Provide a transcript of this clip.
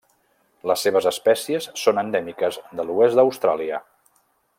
Les seves espècies són endèmiques de l'oest d'Austràlia.